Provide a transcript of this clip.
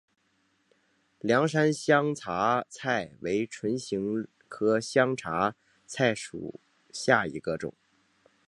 凉山香茶菜为唇形科香茶菜属下的一个种。